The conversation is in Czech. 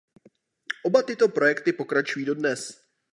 Oba tyto projekty pokračují dodnes.